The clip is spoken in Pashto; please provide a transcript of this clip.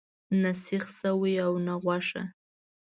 نه سیخ سوی او نه غوښه.